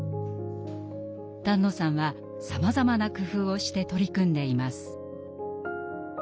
丹野さんはさまざまな工夫をして取り組んでいます。